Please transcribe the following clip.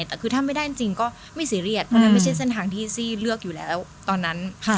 แต่คือถ้าไม่ได้จริงก็ไม่ซีเรียสเพราะนั้นไม่ใช่เส้นทางที่ซี่เลือกอยู่แล้วตอนนั้น